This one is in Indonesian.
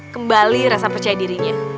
kembali rasa percaya dirinya